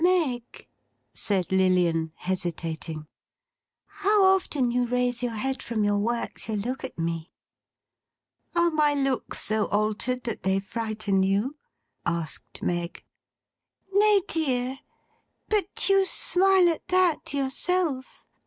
'Meg,' said Lilian, hesitating. 'How often you raise your head from your work to look at me!' 'Are my looks so altered, that they frighten you?' asked Meg. 'Nay, dear! But you smile at that, yourself!